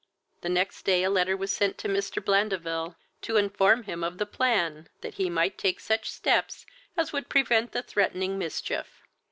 The next day a letter was sent to Mr. Blandeville, to inform him of the plan, that he might take such steps as would prevent the threatening mischief.